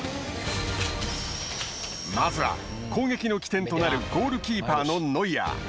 まずは、攻撃の起点となるゴールキーパーのノイアー。